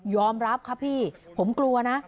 ยอมรับค่ะพี่ผมกลัวนะ